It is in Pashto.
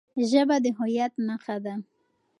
ژبه د هويت نښه ده.